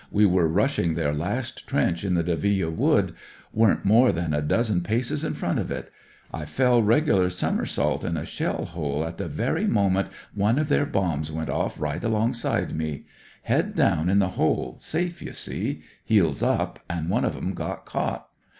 We were rushing their last trench in the Delville Wood ; weren't more than a dozen paces in front of it. I fell, regular somersault, in a shell hole, at the very 126 BROTHERS OF THE PARSONAGE moment one of their bombs went off right alongside me. Head down in the hole, safe, you see; heels up, and one of 'em got caught.